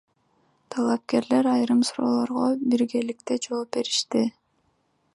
Талапкерлер айрым суроолорго биргеликте жооп беришти.